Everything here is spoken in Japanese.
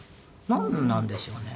なんなんでしょうね？